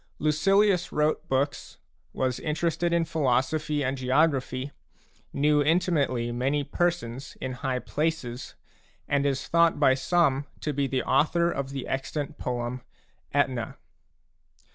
Lucilius wrote books, was interested in philosophy and geography, knew in timately many persons in high places, and is thought by some to be the author of the extant poem Aetna.